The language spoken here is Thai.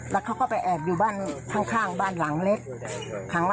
แล้วเขาก็ไปแอบอยู่บ้านข้างบ้านหลังเล็ก